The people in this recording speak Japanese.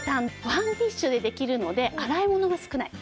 ワンディッシュでできるので洗い物が少ない。